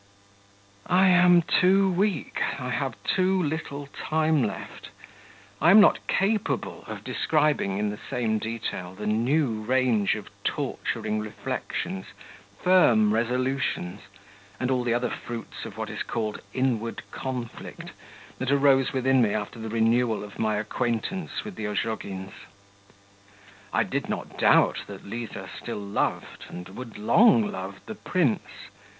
I am too weak, I have too little time left, I am not capable of describing in the same detail the new range of torturing reflections, firm resolutions, and all the other fruits of what is called inward conflict, that arose within me after the renewal of my acquaintance with the Ozhogins. I did not doubt that Liza still loved, and would long love, the prince